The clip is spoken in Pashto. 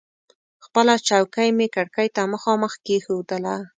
خپله چوکۍ مې کړکۍ ته مخامخ کېښودله.